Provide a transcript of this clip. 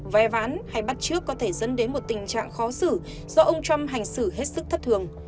ve vãn hay bắt trước có thể dẫn đến một tình trạng khó xử do ông trump hành xử hết sức thất thường